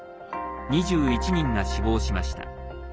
２１人が死亡しました。